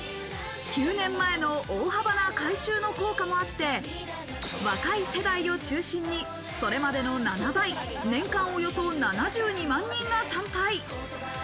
９年前の大幅な改修の効果もあって、若い世代を中心に、それまでの７倍、年間およそ７２万人が参拝。